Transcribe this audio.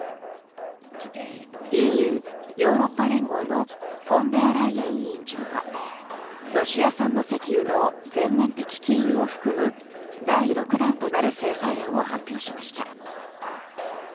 ＥＵ・ヨーロッパ連合のフォンデアライエン委員長はロシア産の石油の全面的禁輸を含む第６弾となる制裁案を発表しました。